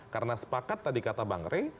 karena sepakat tadi kata bang rey